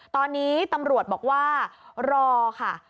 ตอนนี้ตำรวจบอกว่ารอค่ะ